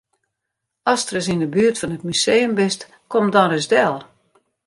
Ast ris yn 'e buert fan it museum bist, kom dan ris del.